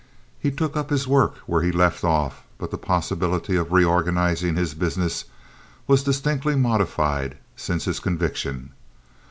He took up his work where he left off; but the possibility of reorganizing his business was distinctly modified since his conviction.